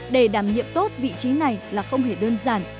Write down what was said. để đảm nhiệm tốt vị trí này là không hề đơn giản